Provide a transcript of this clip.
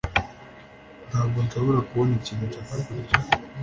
Ntabwo nshobora kubona ikintu nshaka kurya